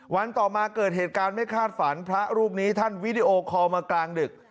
วันต่อมาเกิดเหตุการณ์ไม่คาดฝันพระรูปนี้ท่านวิดีโอคอลมากลางดึก